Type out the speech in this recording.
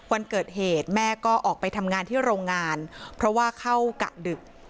วันเกิดเหตุแม่ก็ออกไปทำงานที่โรงงานเพราะว่าเข้ากะดึก